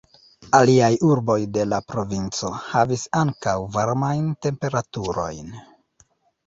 Aliaj urboj de la provinco, havis ankaŭ varmajn temperaturojn.